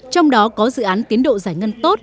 trong đó có dự án tiến độ giải ngân tốt